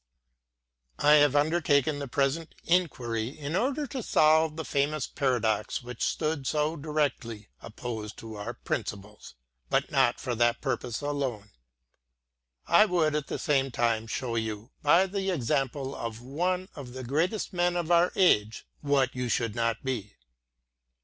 I have undertaken the present inquiry in order to solve the famous paradox which stood so directly opposed to our principles : but not for that purpose alone. I would at the same time show you, by the example of one of the greatest men of our own age, ivhat you should not be.